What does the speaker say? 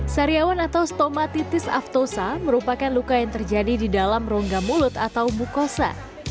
saryawan atau stomatitis aftosa merupakan luka yang terjadi di dalam rongga mulut atau mukosa